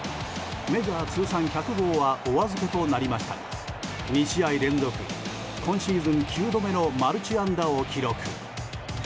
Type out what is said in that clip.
メジャー通算１００号はお預けとなりましたが２試合連続今シーズン９度目のマルチ安打を記録。